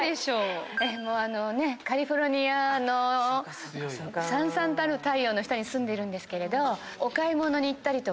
カリフォルニアのさんさんたる太陽の下に住んでるんですけれど。